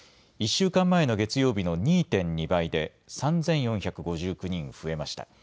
１週間前の月曜日の２．２倍で、３４５９人増えました。